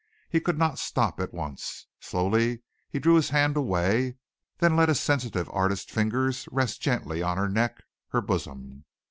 He could not stop at once. Slowly he drew his hand away, then let his sensitive artists' fingers rest gently on her neck her bosom.